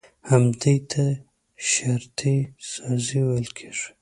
همدې ته شرطي سازي ويل کېږي.